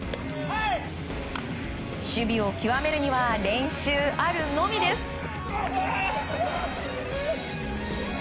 守備を極めるには練習あるのみです。